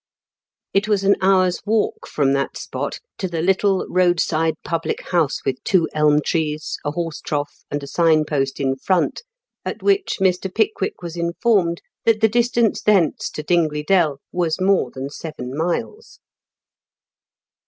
It was an hour's walk from 114. IN KENT WITH 0EAELE8 DICKENS. that spot to the " little road side public house with two elm trees, a horse trough, and a sign post in front," at which Mr. Pickwick was informed that the distance thence to Dingley Dell was more than seven miles.